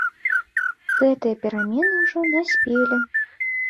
Гэтыя перамены ўжо наспелі.